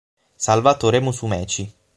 Salvatore Musumeci